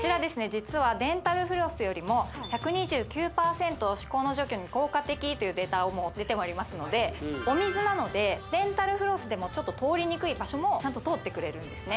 実はデンタルフロスよりも１２９％歯垢の除去に効果的というデータも出ておりますのでお水なのでデンタルフロスでもちょっと通りにくい場所もちゃんと通ってくれるんですね